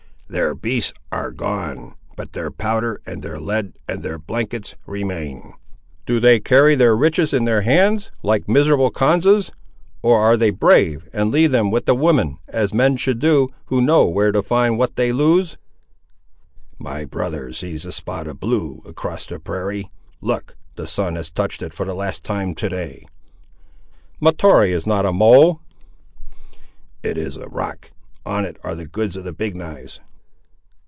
"Their beasts are gone. But their powder, and their lead, and their blankets remain." "Do they carry their riches in their hands, like miserable Konzas? or are they brave, and leave them with the women, as men should do, who know where to find what they lose?" "My brother sees the spot of blue across the prairie; look, the sun has touched it for the last time to day." "Mahtoree is not a mole." "It is a rock; on it are the goods of the Big knives."